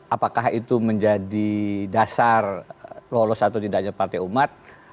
apakah itu menjadi dasar lolos atau tidaknya partai umat